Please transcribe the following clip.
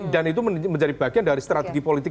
dan itu menjadi bagian dari strategi politik